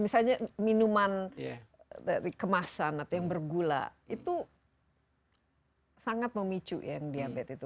misalnya minuman dari kemasan atau yang bergula itu sangat memicu yang diabetes itu